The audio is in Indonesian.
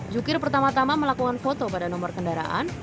jukir pertama tama melakukan foto pada nomor kendaraan